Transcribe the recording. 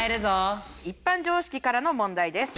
一般常識からの問題です。